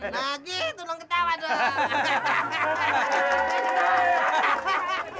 nagi tolong ketawa dulu